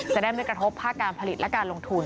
จะได้ไม่กระทบภาคการผลิตและการลงทุน